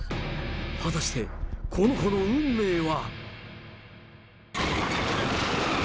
果たしてこの子の運命は。